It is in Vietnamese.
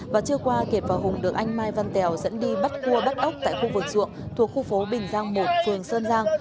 và trưa qua kiệt và hùng được anh mai văn tèo dẫn đi bắt cua bắt ốc tại khu vực ruộng thuộc khu phố bình giang một phường sơn giang